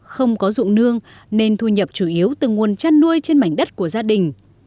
không có dụng nương nên thu nhập chủ yếu từ nguồn chăn nuôi trên mảnh đất của gia đình